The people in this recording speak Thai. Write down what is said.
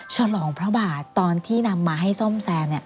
ฉลองพระบาทตอนที่นำมาให้ส้มแซมเนี่ย